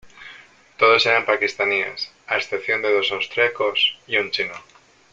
Todos eran pakistaníes a excepción de dos austríacos y un chino.